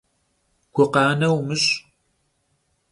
Gukhane vumış'!